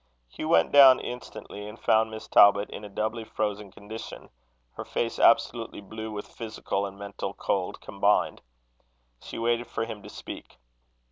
Hugh went down instantly, and found Miss Talbot in a doubly frozen condition, her face absolutely blue with physical and mental cold combined. She waited for him to speak.